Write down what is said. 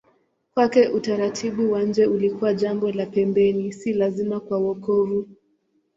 Kwake utaratibu wa nje ulikuwa jambo la pembeni, si lazima kwa wokovu.